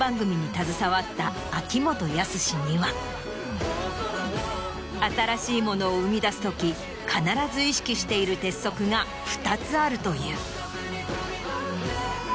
携わった秋元康には新しいものを生み出すとき必ず意識している鉄則が２つあるという。